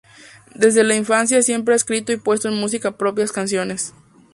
Desde la infancia siempre ha escrito y puesto en música propias canciones.